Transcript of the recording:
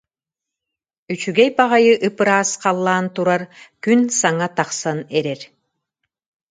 Үчүгэй баҕайы ып-ыраас халлаан турар, күн саҥа тахсан эрэр